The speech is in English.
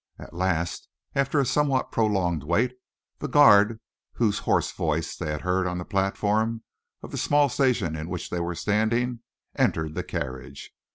At last, after a somewhat prolonged wait, the guard, whose hoarse voice they had heard on the platform of the small station in which they were standing, entered the carriage.